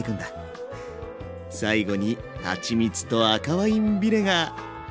最後にはちみつと赤ワインビネガー。